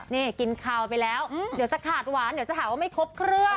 นี่กินคาวไปแล้วเดี๋ยวจะขาดหวานเดี๋ยวจะหาว่าไม่ครบเครื่อง